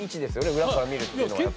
裏から見るっていうのはやっぱ。